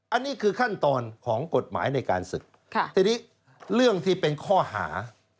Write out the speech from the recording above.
อันนี้คือขั้นตอนของกฎหมายในการศึกทีนี้เรื่องที่เป็นข้อหา